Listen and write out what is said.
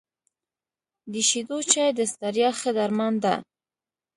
د شيدو چای د ستړیا ښه درمان ده .